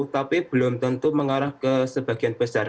tapi belum tentu mengarah ke sebagian besar